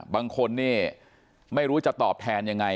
บางคนนี่ไม่รู้จะตอบแทนยังไง